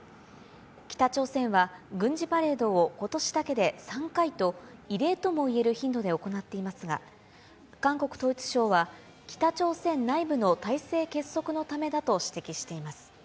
北朝鮮は軍事パレードをことしだけで３回と、異例ともいえる頻度で行っていますが、韓国統一省は、北朝鮮内部の体制結束のためだと指摘しています。